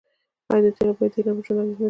آیا د تیلو بیه د ایران په ژوند اغیز نلري؟